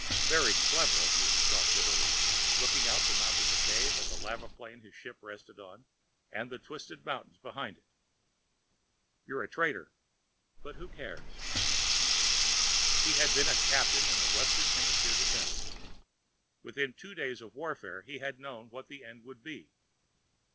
Very clever of you, he thought bitterly, looking out the mouth of the cave at the lava plain his ship rested on, and at the twisted mountains behind it. You're a traitor but who cares? He had been a captain in the Western Hemisphere Defense. Within two days of warfare, he had known what the end would be.